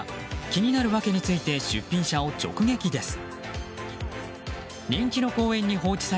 気になる訳について出品者を直撃です。